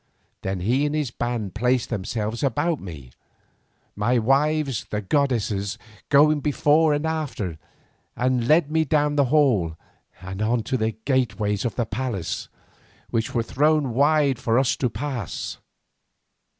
Then he and his band placed themselves about me, my wives the goddesses going before and after, and led me down the hall and on to the gateways of the palace, which were thrown wide for us to pass.